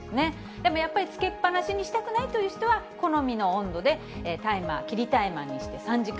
でもやっぱりつけっぱなしにしたくないという人は、好みの温度でタイマー、切タイマーにして３時間。